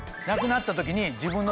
なくなった時に。